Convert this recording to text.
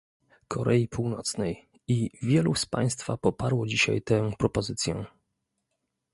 Korei Północnej i wielu z państwa poparło dzisiaj te propozycję